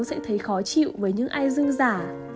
sẽ thấy khó chịu với những ai dưng giả